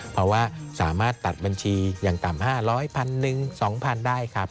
เพราะว่าสามารถตัดบัญชีอย่างต่ำ๕๐๐พันหนึ่ง๒๐๐ได้ครับ